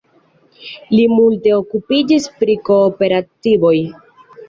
Li multe okupiĝis pri kooperativoj.